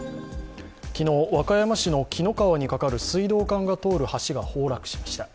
昨日、和歌山市の紀の川にかかる水道管が通る橋が崩落しました。